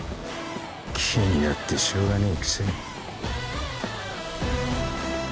気になってしょうがねえ